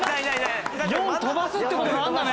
４飛ばすって事があるんだね。